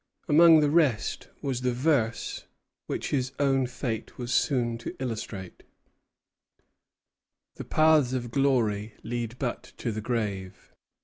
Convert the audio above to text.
Among the rest was the verse which his own fate was soon to illustrate, "The paths of glory lead but to the grave."